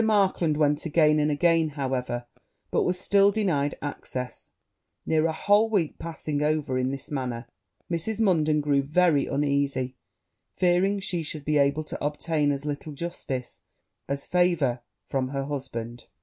Markland went again and again, however; but was still denied access: near a whole week passing over in this manner, Mrs. Munden grew very uneasy, fearing she should be able to obtain as little justice as favour from her husband.